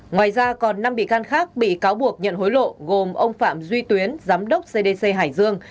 ngoài ra còn năm bị can khác bị cáo buộc nhận hối lộ gồm ông phạm duy tuyến giám đốc cdc hải dương